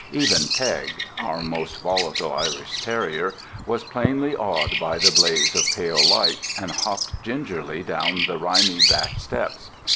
Even Peg (our most volatile Irish terrier) was plainly awed by the blaze of pale light, and hopped gingerly down the rimy back steps.